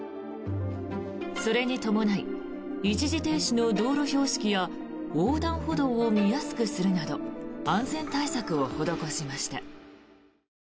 それに伴い一時停止の道路標識や横断歩道を見やすくするなど安全対策を施しました。